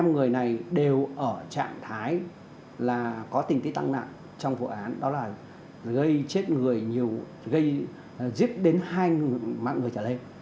hai mươi năm người này đều ở trạng thái là có tình tích tăng nạn trong vụ án đó là gây chết người nhiều gây giết đến hai mạng người trả lệ